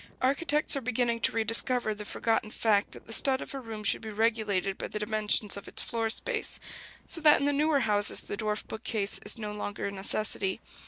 Architects are beginning to rediscover the forgotten fact that the stud of a room should be regulated by the dimensions of its floor space; so that in the newer houses the dwarf bookcase is no longer a necessity.